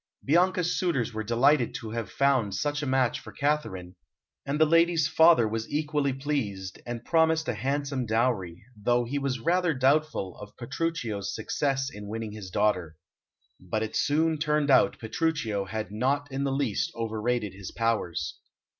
Bianca's suitors were delighted to have found such a match for Katharine, and the lady's father was equally pleased, and promised a handsome dowry, though he was rather doubtful of Petruchio's success in winning his daughter. But it soon turned out Petruchio had not in the least over rated his powers.